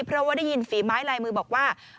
เพราะว่าได้ยินฝีไม้ลายมือบอกว่า